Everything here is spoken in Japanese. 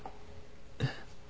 えっ？